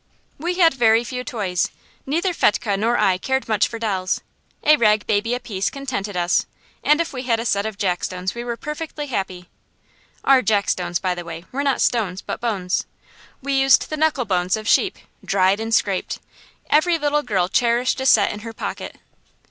We had very few toys. Neither Fetchke nor I cared much for dolls. A rag baby apiece contented us, and if we had a set of jackstones we were perfectly happy. Our jackstones, by the way, were not stones but bones. We used the knuckle bones of sheep, dried and scraped; every little girl cherished a set in her pocket.